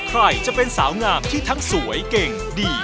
ใครจะเป็นสาวงามที่ทั้งสวยเก่งดี